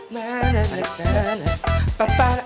mana ada salah pepala